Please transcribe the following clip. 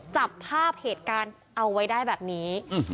จับภาพเหตุการณ์เอาไว้ได้แบบนี้